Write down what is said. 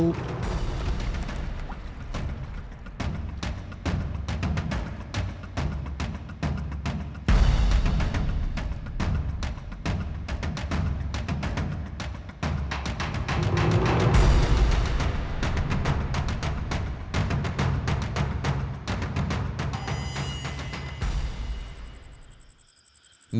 một trăm tỷ đồng